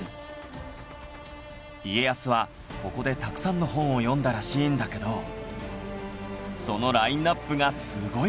家康はここでたくさんの本を読んだらしいんだけどそのラインナップがすごいんだ